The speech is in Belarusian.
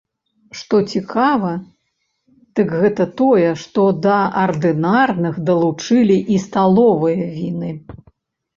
Што цікава, дык гэта тое, што да ардынарных далучылі і сталовыя віны.